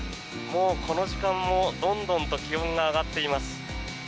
もうこの時間も、どんどんと気温が上がっています。